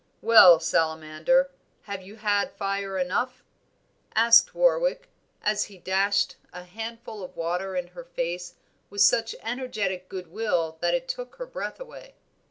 "Well, salamander, have you had fire enough?" asked Warwick, as he dashed a handful of water in her face with such energetic goodwill that it took her breath away.